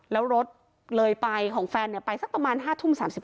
แล้วรถเลยไปของแฟนไปสักประมาณ๕ทุ่ม๓๕